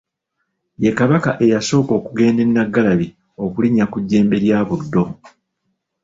Ye Kabaka eyasooka okugenda e Naggalabi okulinnya ku jjembe lya Buddo.